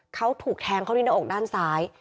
เขาถูกแทงเข้าดินออกด้านซ้าย